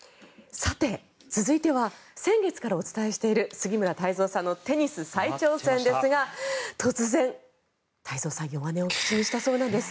続いては先月からお伝えしている杉村太蔵さんのテニス再挑戦ですが突然、太蔵さん弱音を口にしたそうなんです。